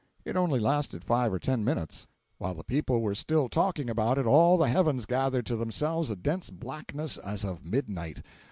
It only lasted five or ten minutes; while the people were still talking about it all the heavens gathered to themselves a dense blackness as of midnight.